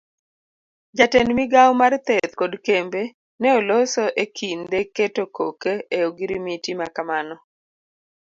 Jatend migawo mar theth kod kembe ne oloso ekinde keto koke e ogirimiti makamano.